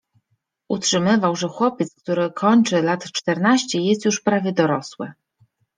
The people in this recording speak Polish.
Utrzymywał, że chłopiec, który kończy lat czternaście jest już prawie dorosły.